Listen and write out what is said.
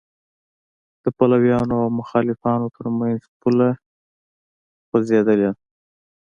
د پلویانو او مخالفانو تر منځ پوله خوځېدلې ده.